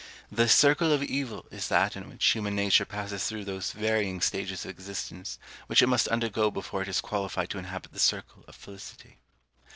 The circle of evil is that in which human nature passes through those varying stages of existence which it must undergo before it is qualified to inhabit the circle of felicity.